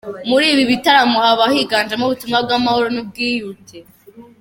Muri ibi bitaramo haba higanjemo ubutumwa bw’amahoro n’ubwiyunge.